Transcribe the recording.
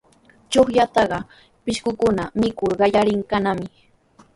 Chuqllataqa pishqukuna mikur qallariykannami.